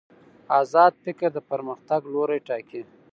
ازاد فکر د پرمختګ لوری ټاکي.